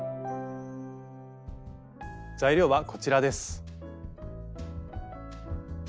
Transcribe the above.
材料はこちらです。